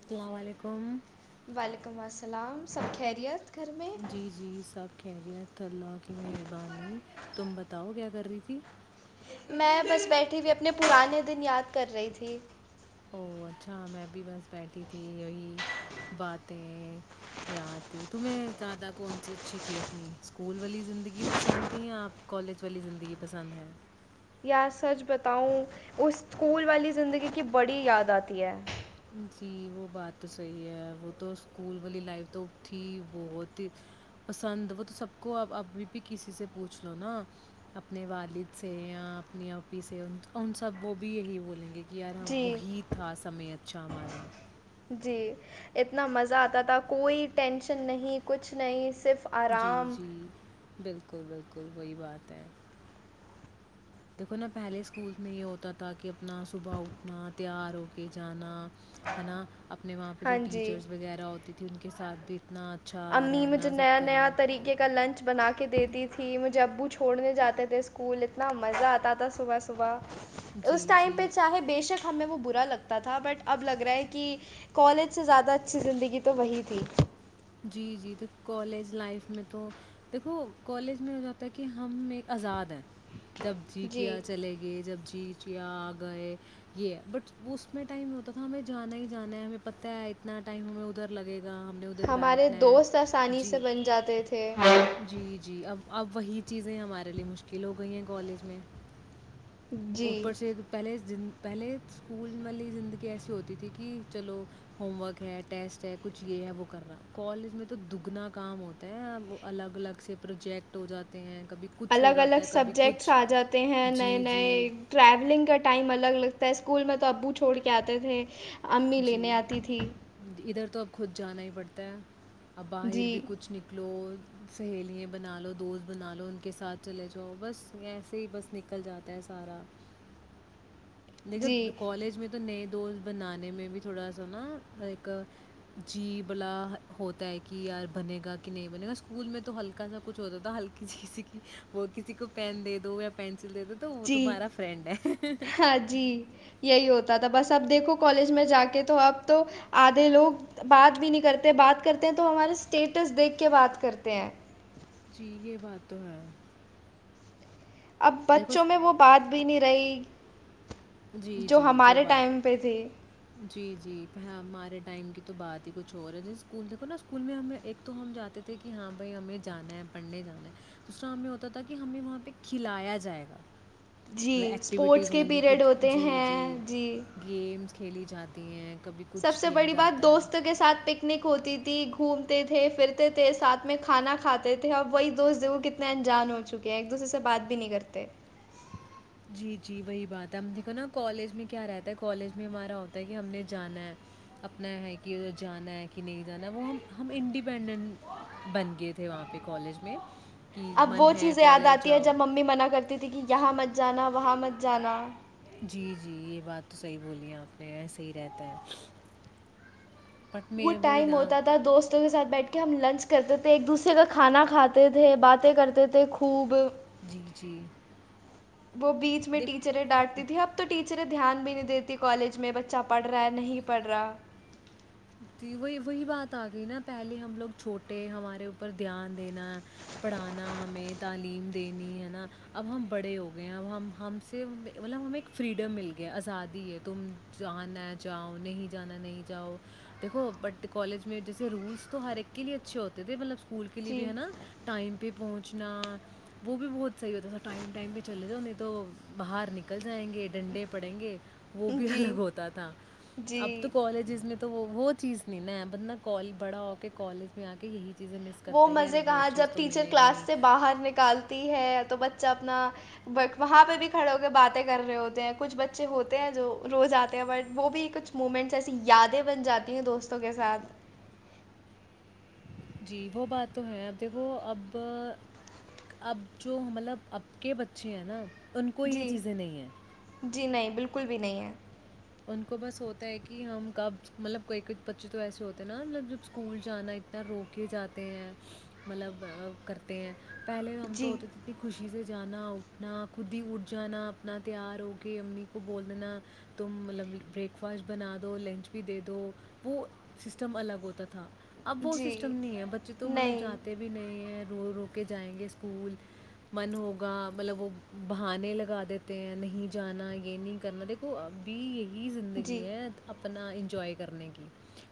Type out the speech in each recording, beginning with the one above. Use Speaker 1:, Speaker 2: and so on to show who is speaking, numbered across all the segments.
Speaker 1: السلام علیکم
Speaker 2: اللام سب خیریت گھر میں
Speaker 1: جی جی سب کہہری ہیں تھلہ کی مہربانی تم بتاؤ کیا کر رہی تھی
Speaker 2: میں بس بیٹھی ہوئی اپنے پرانے دن یاد کر رہی تھی
Speaker 1: او اچھا میں بھی بس بیٹھی تھی یہی باتیں یاد تھی تمہیں زیادہ کون سی اچھی تھی اپنی اسکول والی زندگی پسند تھی یا کالج والی زندگی پسند ہے
Speaker 2: یا سچ بتاؤں اس اسکول والی زندگی کی بڑی یاد آتی ہے
Speaker 1: جی وہ بات تو صحیح ہے وہ تو اسکول والی لائف تو تھی بہت ہی پسند وہ تو سب کو ا ابھی بھی کسی سے پوچھ لو نا اپنے والد سے یا اپنی اپی سے ان سب وہ بھی یہی بولیں گے یارا
Speaker 2: جی
Speaker 1: وہی تھا سمعت چھا مارام
Speaker 2: جی اتنا مزہ آتا تھا کوئی ٹینشن نہیں کچھ نہیں صرف
Speaker 1: جی
Speaker 2: آرام
Speaker 1: جی بالکل بالکل وہی بات ہے دیکھو نا پہلے اسکول میں یہ ہوتا تھا کہ اپنا صبح اٹھنا تیار ہو کے جانا ہے نا اپنے وہاں پہ جو
Speaker 2: ہاں جی
Speaker 1: ٹیچرس وغیرہ ہوتی تھھی ان کے ساد
Speaker 2: امی مجھے نیا نیا طریقے کا لنچ بنا کے دیتی تھی مجھے ابو چھ چھوڑنے جاتے تھے اسکول اتنا مزہ آتا تھا صبح صبح اس
Speaker 1: جی،
Speaker 2: ٹائم پہ
Speaker 1: جی۔
Speaker 2: چاہے بے شک ہمیں وہ برا لگتا تھا بٹ اب لگ رہا ہے کہ کالج سے زیادہ اچھی زندگی تو وہی تھی
Speaker 1: جی جی تو کالج لائف میں تو دیکھو کالج میں ہو جاتا ہے کہ ہم ایک آزاد ہیں جب جی کیا چلے گئے جب جی یا گئے یہ بٹ اس میں ٹائم ہوتا تھا ہمیں جانا ہی جانا ہے ہمیں پت ہے اتنا ٹائم ہمیں ادھر لگے گا ہم نے ادھر
Speaker 2: ہمارے
Speaker 1: بیٹھنا ہے۔
Speaker 2: دوست آسانی سے
Speaker 1: جی،
Speaker 2: بن جاتے تھے
Speaker 1: جی، جی، اب اب وہی چیزیں ہمارے لیے مشکل ہو گئی ہیں کالج میں
Speaker 2: جی
Speaker 1: اوپر سے پہلے پہلے اسکول والی زندگی ایسی ہوتی تھی کہ چلو ہوم ورک ہے ٹیسٹ ہے کچھ یہ ہے وہ کر رہا کالج میں تو دگنا کام ہوتا ہے وہ الگ الگ سے پروجیکٹ ہو جاتے ہیں کبھی کچھ ہو
Speaker 2: الگ
Speaker 1: جاتا
Speaker 2: الگ
Speaker 1: ہے کبھی
Speaker 2: سبجیکٹس
Speaker 1: کچھ
Speaker 2: آ جاتے ہیں نئے
Speaker 1: جی جی
Speaker 2: نئے ٹریولنگ کا ٹائم الگ لگتا ہے اس اسکول میں تو ابو چھوڑ کے آتے تھے امی
Speaker 1: جی
Speaker 2: لینے آتی تھی
Speaker 1: ادھر تو اب خود جانا ہی پڑتا ہے ا باہر
Speaker 2: جی
Speaker 1: بھی کچھ نکلو سہیلیا بنا لو دوست بنا لو ان کے ساتھ چلے جاؤ بس ایسے ہی بس نکل جاتا ہے سارا
Speaker 2: جی
Speaker 1: لیکن کالج میں تو نہیں دو بنانے میں بھی تھوڑا سا نا ایک جی بلا ہوتا ہے کہ یار بنے گا کہ نہیں بنے گا اسکول میں تو ہلکا سا کچھ ہوتا تھا ہلکی سی کی وہ کسی کو پین دے دو یا پ تو وہ
Speaker 2: جی
Speaker 1: تمہارا فرینڈ ہے
Speaker 2: ہاں جی یہی ہوتا تھا بس اب دیکھو کالج میں جا کے تو اب تو آدھے لوگ بات بھی نہیں کرتے بات کرتے ہیں تو ہمارا اسٹیٹس دیکھ کے بات کرتے ہیں
Speaker 1: جی یہ بات تو ہے
Speaker 2: اب
Speaker 1: دیکھو
Speaker 2: بچوں میں وہ بات بھی نہیں رہی
Speaker 1: جی
Speaker 2: جو
Speaker 1: جی وہ
Speaker 2: ہمارے ٹائم پہ تھی
Speaker 1: بات جی جی ہمار ٹائم کی تو بات ہی کچھ اور ہے جی اسکول دیکھو نا اسکول میں ہم ایک تو ہم جاتے تھے کہ ہاں بھائی ہمیں جانا ہے پڑھنے جانا ہے دوسرا ہمیں ہوتا تھا کہ ہمیں وہاں پہ کھلایا جائے گا
Speaker 2: جی
Speaker 1: مطلب
Speaker 2: اسپورٹس
Speaker 1: ایکٹیویٹیز
Speaker 2: کے
Speaker 1: ہوں گی
Speaker 2: پیریڈ
Speaker 1: کچھ
Speaker 2: ہوتے
Speaker 1: جی جی یہ گمس کھیلی جاتی ہیں کبھی
Speaker 2: سب
Speaker 1: کچھ
Speaker 2: سے
Speaker 1: کیا
Speaker 2: بڑی بات
Speaker 1: جاتا ہے
Speaker 2: دوستوں کے ساتھ پکنک ہوتی تھی گھومتے تھے پھرتے تھے ساتھ میں کھانا کھاتے تھے اب وہی دوست کتنے انجان ہو چکے ہیں ایک دوسرے سے بات بھی نہیں کرتے
Speaker 1: جی جی وہی بات ہے ہم دیکھو نا کالج میں کیا رہتا ہے کالج میں ہمارا ہوتا ہے کہ ہم نے جانا ہے اپنا ہے کہ ا جانا ہے کہ نہیں جانا ہے وہ ہم ہم انڈیپینڈنٹ بن گئے تھے وہاں پہ کالج میں کہ
Speaker 2: اب
Speaker 1: من
Speaker 2: وہ
Speaker 1: ہے
Speaker 2: چیزیں یاد
Speaker 1: کالج
Speaker 2: آتی ہے
Speaker 1: جاؤ
Speaker 2: جب ممی منع کرتی تھی کہ یہاں مت جانا وہاں مت جانا
Speaker 1: جی جی یہ بات تو صحیح بولی ہے آپ نے ای صحیح رہتا ہے بٹ
Speaker 2: وہ
Speaker 1: میں وہی
Speaker 2: ٹائم
Speaker 1: نا
Speaker 2: ہوتا تھا دوستوں کے ساتھ بیٹھ کر کہ ہم لنچ کرتے تھے ایک دوسرے کا کھانا کھاتے تھے باتیں کرتے تھے خوب
Speaker 1: جی جی
Speaker 2: وہ بیچ میں
Speaker 1: دیکھ
Speaker 2: ٹیچریں ڈانٹتی تھی اب تو ٹیچر ر دھیان بھی نہیں دیتی کالج میں بچہ پڑھ رہا ہے نہیں پڑھ رہا
Speaker 1: جی وہی وہی بات آ گئی نا پہلے ہم لوگ چھوٹے ہمارے اوپر دھیان دینا پڑھانا ہمیں تعلیم دینی ہے نا اب ہم بڑے ہو گئے ہیں اب ہم ہم سے مطلب ہمیں ایک فریڈم مل گیا آزادی ہے تم جانا جاؤ نہیں جانا نہیں جاؤ دیکھو بٹ کالج میں جیسے رولس تو ہر ایک کے لیے اچھے ہوتے تھے مطلب اسکول کے لیے بھی
Speaker 2: جی
Speaker 1: ہے نا ٹائم پہ پہنچ انا وہ بھی بہت صحیح ہوتا س ٹہ چلے تو باہر نکل آئیں گے ڈنڈے پڑیں گے وہ بھی
Speaker 2: جی
Speaker 1: الگ ہوتا تھا اب تو
Speaker 2: جی
Speaker 1: کالجز میں تو وہ چیز نہیں نا بندہ کال بڑا ہو کے کالج میں آ کے یہی چیزیں مس
Speaker 2: وہ
Speaker 1: کرتا ہے کہ یار
Speaker 2: مزے
Speaker 1: وہ
Speaker 2: کہا
Speaker 1: چیز
Speaker 2: جب
Speaker 1: تو
Speaker 2: ٹیچر
Speaker 1: ملے گی
Speaker 2: کلاس
Speaker 1: نہیں
Speaker 2: سے باہر نکالتی ہے تو بچ ب اپنا وہاں پہ بھی کھڑے ہو کے باتیں کر رہے ہوتے ہیں کچھ بچے ہوتے ہیں جو روز آتے ہیں بٹ وہ بھی کچھ مومنٹس ایسی یادیں بن جاتی ہیں دوستوں کے ساتھ
Speaker 1: جی وہ بات تو ہے اب دیکھو اب اب جو مطلب اب کے بچے ہیں نا ان کو یہ
Speaker 2: جی
Speaker 1: چیزیں نہیں ہیں
Speaker 2: جی نہیں بالکل بھی نہیں ہے
Speaker 1: ان کو بس ہوتا ہے کہ ہم کب مطلب کوئی بچے تو ایسے ہوتے ہیں نا مطلب جب اسکول جانا اتنا رو کے جاتے ہیں مطلب کرتے ہیں پہلے ہم تو
Speaker 2: جی
Speaker 1: ہوتے تھ اتنی خوش ا چی سے جانا اٹھنا خود ہی اٹھ جانا اپنا تیار ہو کے امی کو بولنا تم مطلب بریک فاسٹ بنا دو لنچ بھی دے دو وہ سسٹم الگ ہوتا تھا تھا اب وہ سسٹم
Speaker 2: جی
Speaker 1: نہیں ہے بچے تو مطلب
Speaker 2: نہیں
Speaker 1: جاتے بھی نہیں ہیں رو رو کے جائیں گے اسکول من ہوگا مطلب وہ بہانے لگا دیتے ہیں نہیں جانا یہ نہیں کرنا دیکھو بی یہ زندگی
Speaker 2: جی
Speaker 1: ہے اپنا انجوائے کرنے کی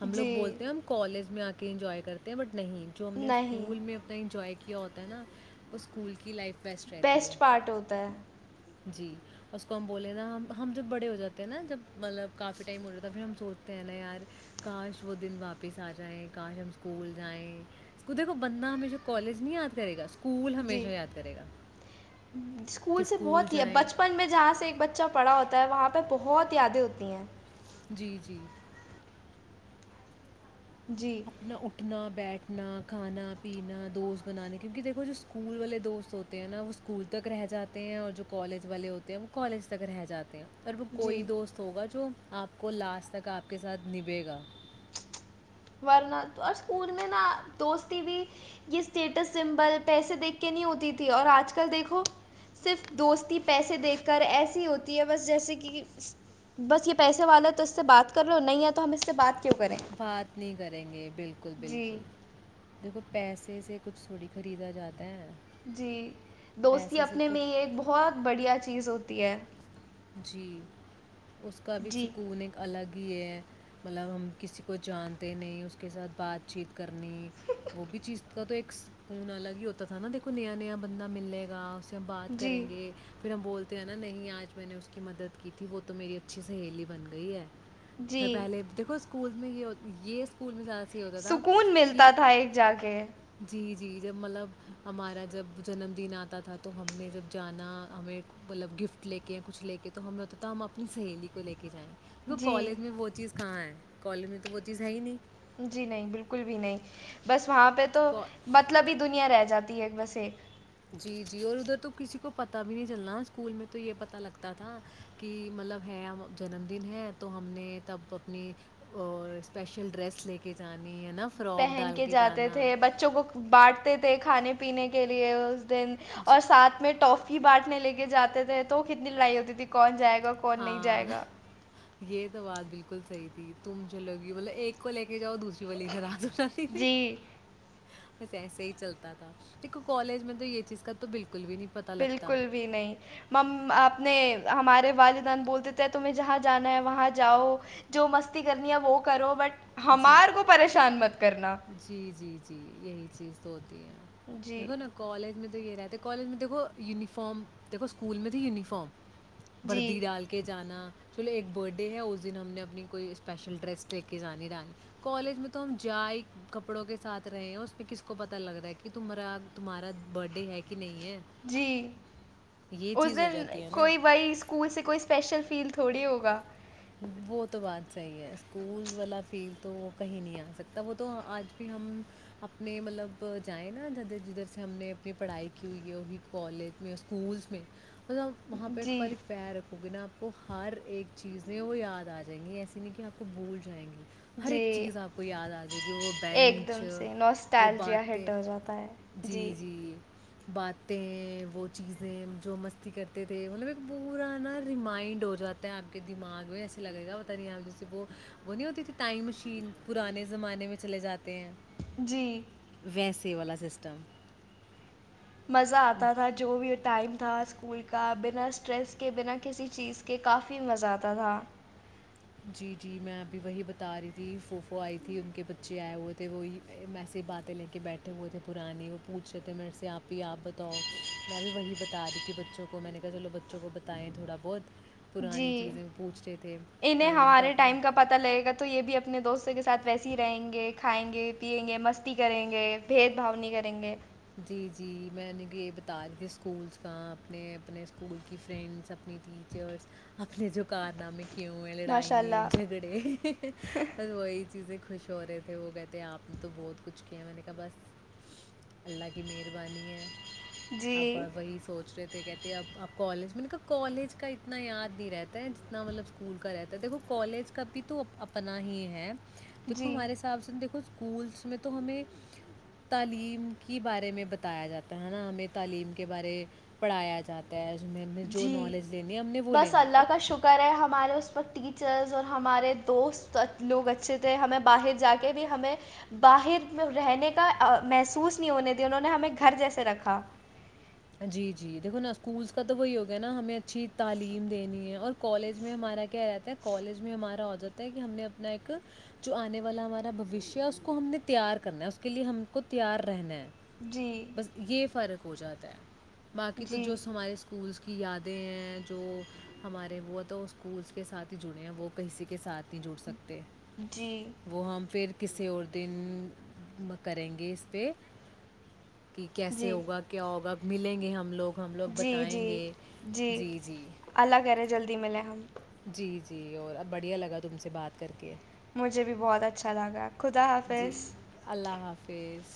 Speaker 1: ہم لوگ
Speaker 2: جی
Speaker 1: بولتے ہیں ہم کالج میں آ کے انجوائے کرتے ہیں بٹ نہیں جو ہم نے
Speaker 2: نہیں
Speaker 1: اسکول میں اپنا انجوائے کیا ہوتا ہے نا وہ اسکول کی لائف رہتی ہے
Speaker 2: بیسٹ پارٹ ہوتا ہے
Speaker 1: جی اس کو ہم بولے نا ہم ج بڑے ہو جاتے نا جب مطلب کافی ٹائم ہو جاتا پھر ہم سوچتے ہیں نا یار کاش وہ دن واپس آ جائیں کاش ہم اسکول جائیں اس کو دیکھو بندہ ہمیشہ کالج نہیں یاد کرے گا اس
Speaker 2: جی
Speaker 1: کہ
Speaker 2: اسکول سے بہت ہی ہے
Speaker 1: جائیں
Speaker 2: بچپن میں جہاں سے ایک بچہ پڑا ہوتا ہے وہاں پہ پہ بہت یادیں ہوتی ہیں
Speaker 1: جی جی
Speaker 2: جی
Speaker 1: اپنا اٹھنا بیٹھ اپنا کھانا پینا دوست بنانے کیونکہ دیکھو جو اسکول والے دوست ہوتے ہیں نا وہ اسکول تک رہ جاتے ہیں اور جو کالج والے ہوتے ہیں وہ کالج تک رہ جاتے ہیں ا وہ کوئی
Speaker 2: جی
Speaker 1: دوست ہوگا جو آپ کو لاسٹ تک آپ کے ساتھ نبے گا
Speaker 2: ورنہ تو اور اسکول میں نا دوستی بھی یہ اسٹیٹس سمبل پیسے دیکھ کے نہیں ہوتی تھی اور آج کل دیکھو صرف دوستی پیسے دیکھ کر ایسی ہوتی ہے بس جیسے کہ بس یہ پیسے والا تو اس سے بات کر رہو ہو نہیں ہے تو ہم اس سے بات کیوں کریں
Speaker 1: بات نہیں کریں گے بالکل بالکل
Speaker 2: جی
Speaker 1: دیکھو پیسے اس سےچھ تھوڑی خریدا جاتا ہے
Speaker 2: جی دوستی
Speaker 1: پیسے سے
Speaker 2: اپنے
Speaker 1: تو
Speaker 2: میں یہ ایک بہت بڑھیا چیز ہوتی تی ہے
Speaker 1: جی اس کا بھی
Speaker 2: جی
Speaker 1: سکون ایک الگ ہے مطلب ہم کسی کو جانتے نہیں اس کے ساتھ بات چیت کرنی وہ بھی چیز س تو ایککون الگ ہی ہوتا تھا نا دیکو نیا نیا بندہ ملے گ ھر ہم بات
Speaker 2: جی
Speaker 1: کریں گے پھر ہم بولتے ہے نا نہیں آج میں نے اس کی مدد کی تھی وہ تو میری اچھی سہیلی بن گئی
Speaker 2: جی
Speaker 1: ہے پہلے دیکھو اسکول میں یہ یہ اسکول میں جا
Speaker 2: سکون ملتا تھا ایک جا کے
Speaker 1: جی، جی جب مطلب ہمارا جب جنم دن آتا تھا تو ہم نے جب جانا ہمیں مطلب گفٹ لے یا کچھ لے کے تو ہم ل ہوتا تھا ہم اپنی سہیلی کو لے کے جائیں وہ
Speaker 2: جی
Speaker 1: کالج میں وہ چیز ہاں ہے کالونی تو وہ چیز ہے ہی نہیں
Speaker 2: جی نہیں بالکل بھی نہیں بس وہاں پہ تو
Speaker 1: کو
Speaker 2: مطلب ہی دنیا رہ جاتی ایک بس ایک
Speaker 1: جی جی اور ادھر تو کسی کو پتہ بھی نہیں چلنا اسکول میں تو یہ پتہ لگتا تھا کہ مطلب ہے ہم جنم دن ہے تو ہم نے تب اپنی اسپیشل ڈریس لے کے جانے
Speaker 2: پہن کے جاتے تھے بچوں کو بانٹتے تھے کھانے پینے کے لیے دن
Speaker 1: جی
Speaker 2: اور ساتھ میں ٹافی ہی بانٹنے لے کے جاتے تھے تو کتنی لڑائی ہوتی تھی کون جائے گا کون نہیں
Speaker 1: ہاں
Speaker 2: جائے گا
Speaker 1: یہ تو بات بالکل صحی تھی تم چےوگی مطلب ایک کو لے کے جاؤ دوسرے راز سی
Speaker 2: جی
Speaker 1: ایسے ہی چلتا تھا دیکھو کالج میں تو یہ چیز کا تو بالکل بھی نہیں پتہ لگتا
Speaker 2: بالکل بھی نہیں مم آپ نے ہمارے والدین بول دی تھے تمہیں جہاں جانا ہے وہاں جاؤ جو مستی کرنی ہے وہ کرو بٹ
Speaker 1: جی
Speaker 2: ہمارے کو پریشان مت کرنا
Speaker 1: جی جی جی یہی چیز تو ہوتی ہے
Speaker 2: جی
Speaker 1: دیکھو نا کالج میں تو گ رہا ہے تو کالج میں دھو یوننیفارم دیکو سکول میں تو یوننیفارم
Speaker 2: جی
Speaker 1: بردی ڈال کے جانا چلو ایک برتھ ڈے ہے اس دن ہم نے اپنی کوئی اسپیشل ڈریس لے کے جانے ڈال کالج میں تو ہم جا ہی کپڑوں کے ساتھ رہے ہیں اس میں کس کو پتا لگ رہا ہے کہ تا تمہارا برتھ ڈے ہے کہ نہیں ہے؟
Speaker 2: جی
Speaker 1: یہ
Speaker 2: اس
Speaker 1: چیز ہو
Speaker 2: دن
Speaker 1: جاتی ہے نا۔
Speaker 2: کوئی بائی اسکول سے کوئی اسپیشل فیل تھوڑی ہوگا
Speaker 1: وہ تو بات صحیح ہے اسکول والا فیل تو کہیں نہیں آ سکتا وہ تو آج بھی ہم اپنے مطلب جائیں نا جدھر جدھر سے ہم نے اپنی پڑھائی کی ہوئی ہے وہ بھی کالج میں اسکولس میں مطلب وہاں پہ ایک
Speaker 2: جی
Speaker 1: باری پیر رکھو گے نا آپ وہ ہر ایک چیز وہ یاد آ جائیں گی ایسی نہیں کہ آپ کو بھول جائیں گی ہر ایک
Speaker 2: جی
Speaker 1: چیز آپ کو یاد آ جائے گی وہ
Speaker 2: ایک
Speaker 1: بینچ
Speaker 2: دم سے
Speaker 1: وہ
Speaker 2: نوسٹالجیا ہٹ
Speaker 1: باتیں
Speaker 2: ہو جاتا ہے
Speaker 1: جی جی باتیں وہ چیزیں جو مستی کرتے تھے مطلب ایک بورا نا ریمائنڈ ہو جاتا ہے آپ کے دماغ میں ایسا لگے گا پتا نہیں آپ جیسے وہ وہ نہیں ہوتی تھی ٹائم مشین پرانے زمانے میں چلے جاتے ہیں
Speaker 2: جی
Speaker 1: ویسے والا سسٹم
Speaker 2: مزہ آتا تھا جو بھی ٹائم تھا اسکول کا بنا اسٹریس کے بنا کسی چیز کے کافی مزہ آتا تھا
Speaker 1: جی جی میں ابھی وہی بتا رہی تھی فوفو آئی تھی ان کے بچے آئے ہوئے تھے وہی اییسے ہی باتیں لے کے بیٹھے ہوئے تھے پرانے وہ پوچھ رہے تھے میرے آپ ہی آپ بتاؤ میں بھی وہی بتا رہی تھی بچوں کو میں نے کہا چلو بچوں کو بتائیں تھوڑا بہت
Speaker 2: جی
Speaker 1: پرانی چیزیں پوچھتے تھے
Speaker 2: انہیں
Speaker 1: ان کو
Speaker 2: ہمارے
Speaker 1: اپنی
Speaker 2: ٹائم کا پتا لگے گا تو یہ بھی اپنے دوست دووں کے ساتھ ویسے ہی رہیں گے کھائیں گے پیئیں گے مستی کریں گے بھید بھا نہیں کریں گے
Speaker 1: جی جی میں نے یہ بتا رہی تھی اسکولس کا اپنے اپنے اسکول کی فرینڈس اپنی ٹیچرس اپنے جو کارنامے کیوں ہے
Speaker 2: ماشاء
Speaker 1: لڑائیں
Speaker 2: اللہ
Speaker 1: جھگڑے ب وہی چیزیں خوش ہو رہے تھے وہ کہئے تھے آپ نے تو بہت کچھ کیا میں نے کہا بس اللہ کی مہربانی ہے اب
Speaker 2: جی
Speaker 1: وہی سوچ رہے تھے یہ کہتے ہیں اب اپ کو الجمنٹ کا کالج کا اتنا یاد نہیں رہتا ہے جتنا مطلب سکول کا رہتا ہے دیکھو کالج کا بھی تو اپنا ہی ہے دیکھو
Speaker 2: جی
Speaker 1: ہمارے حساب سے دیکو اسکولس میں تو ہمیں تعلیم ک بارے میں بتایا جاتا ہے نا ہمیں تعلیم کے بارے پڑھایا جاتا ہے ہمیں ہمیں جو
Speaker 2: جی
Speaker 1: نالج لینی ہے ہم نے وہ
Speaker 2: بس
Speaker 1: لینی ہے
Speaker 2: اللہ
Speaker 1: اور
Speaker 2: کا شکر ہے ہمارے اس پرق ٹی ٹیچرز اور ہمارے دوست لوگ اچھے تھے ہمیں باہر جا کے بھی ہمیں باہر میں رہنے کا محسوس نہیں ہونے دے انہوں نے ہمیں گھر جیسے رکھا
Speaker 1: جی جی دیکھو نا اسکولس کا تو وہی ہو گیا نا ہمیں اچھی تعلیم دینی ہے اور کالج میں ہمارا کیا رہتا ہے کالج میں ہمارا عجت ہے کہ ہم نے اپنا ایک جو آنے والا ہمارا بھوشیہ ہے اس کو ہم نے تیار کرنا ہے اس کے لیے ہم کو تیار رہنا ہے
Speaker 2: جی
Speaker 1: بس یہ فرق ہو جاتا ہے باقی تو
Speaker 2: جی
Speaker 1: جو ہمارے اسکولس کے کی یادیں ہیں جو ہمارے وہ تو اسکولس کے ساتھ ہی جڑے ہیں وہ کہسی کے ساتھ جٹ سکتے
Speaker 2: جی
Speaker 1: وہ ہم پھر کسی اور دن کریں گے اس پہ کہ کیسے
Speaker 2: جی
Speaker 1: ہوگا کیا ہوگا ملیں گے ہم لوگ ہم لوگ
Speaker 2: جی
Speaker 1: بتائیں
Speaker 2: جی
Speaker 1: گے
Speaker 2: جی الگ جلدی ملے ہم
Speaker 1: جی جی اور اب بڑھیا لگا تم سے بات کر کے
Speaker 2: مجھے بھی بہت اچھا لگا خدا حافظ
Speaker 1: فیض